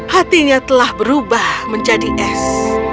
hatinya telah berubah menjadi es